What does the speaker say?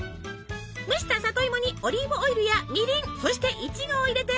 蒸した里芋にオリーブオイルやみりんそしてイチゴを入れてミキサーに。